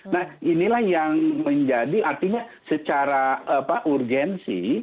nah inilah yang menjadi artinya secara urgensi